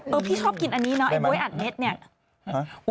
เออพี่ชอบกินอันนี้เนอะไอ้บ๊วยอดเม็ดนี่